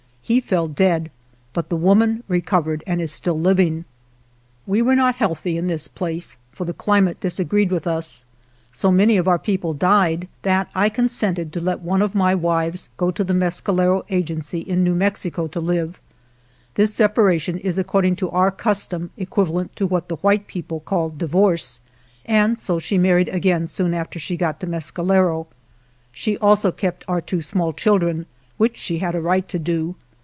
He fell dead, but the woman recovered and is still living. We were not healthy in this place, for the climate disagreed with us. So many of our people died that I consented to let one of my wives go to the Mescalero Agency in New Mexico to live. This separation is accord ing to our custom equivalent to what the white people call divorce, and so she married again soon after she got to Mescalero. She also kept our two small children, which she had a right to do.